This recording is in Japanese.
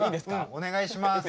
お願いします。